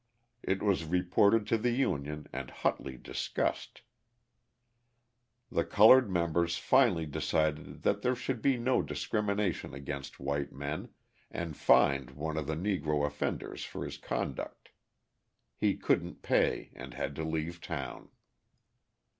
It was reported to the union and hotly discussed. The coloured members finally decided that there should be no discrimination against white men, and fined one of the Negro offenders for his conduct. He couldn't pay and had to leave town.